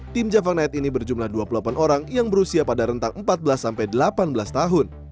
tim java night ini berjumlah dua puluh delapan orang yang berusia pada rentang empat belas sampai delapan belas tahun